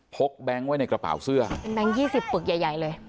พกแบงค์ไว้ในกระเป๋าเสื้อแบงค์๒๐ปึกใหญ่เลย